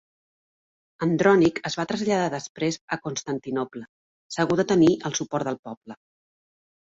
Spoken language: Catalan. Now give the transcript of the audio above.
Andrònic es va traslladar després a Constantinoble, segur de tenir el suport del poble.